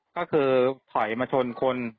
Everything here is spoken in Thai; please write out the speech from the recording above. ก็คือถอยมาชนคน